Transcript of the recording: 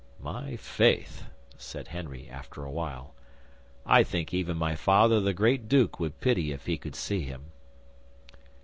'"My faith!" said Henry after a while. "I think even my Father the Great Duke would pity if he could see him."